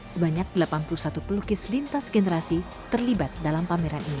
sebanyak delapan puluh satu pelukis lintas generasi terlibat dalam pameran ini